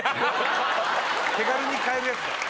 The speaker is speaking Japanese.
手軽に買えるやつだ